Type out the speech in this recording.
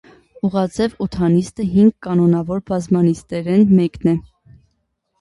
Ուղղաձեւ ութանիստը հինգ կանոնաւոր բազմանիստերէն մեկն է։